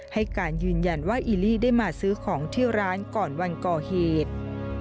ให้การยืนยันว่าอิลลี่ได้มาซื้อของที่ร้านก่อนวันก่อเหตุ